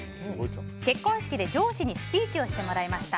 結婚式で上司にスピーチをしてもらいました。